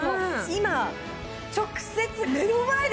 今直接目の前で。